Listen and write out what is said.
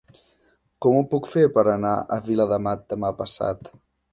Com ho puc fer per anar a Viladamat demà passat?